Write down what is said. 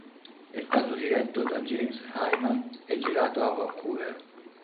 È stato diretto da James Hayman e girato a Vancouver.